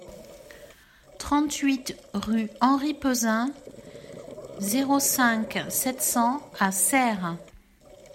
trente-huit rue Henri Peuzin, zéro cinq, sept cents à Serres